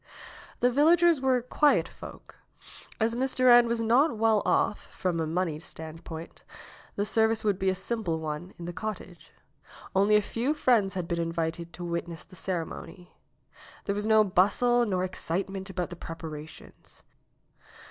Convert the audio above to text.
The villagers were quiet folk. As Miss Durand was not well off, from a money standpoint, the service would be a simple one in the cottage. Only a few friends had NAOMI'S WEDDING BELLS 63 been invited to witness the ceremony. There was no bustle nor excitement about the preparations.